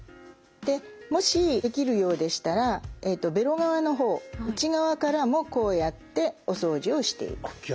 でもしできるようでしたらベロ側の方内側からもこうやってお掃除をしていく。